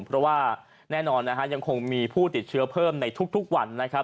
เพราะว่าแน่นอนนะฮะยังคงมีผู้ติดเชื้อเพิ่มในทุกวันนะครับ